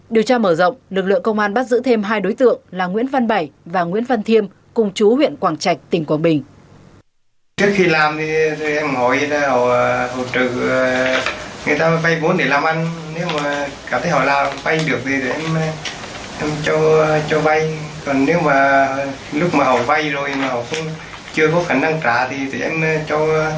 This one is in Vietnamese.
điều tra mở rộng lực lượng công an bắt giữ thêm hai đối tượng là nguyễn văn bảy và nguyễn văn thiêm cùng chú huyện quảng trạch tỉnh quảng bình